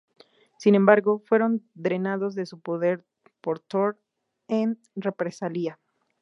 Sin embargo, fueron drenados de su poder por Thor en represalia.